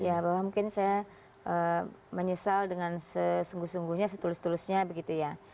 ya bahwa mungkin saya menyesal dengan sesungguh sungguhnya setulus tulusnya begitu ya